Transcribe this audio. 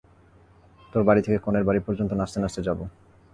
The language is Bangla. তোর বাড়ি থেকে কনের বাড়ি পর্যন্ত, নাচতে নাচতে যাব।